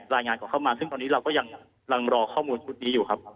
รายงานกลับเข้ามาซึ่งตอนนี้เราก็ยังรอข้อมูลชุดนี้อยู่ครับ